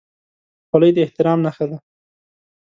خولۍ د احترام نښه ده.